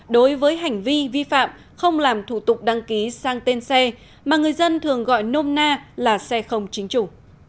đối với hành vi vi phạm không làm thủ tục đăng ký sang tên xe mà người dân thường gọi nôm na là xe không chính chủ